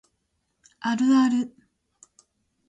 あるある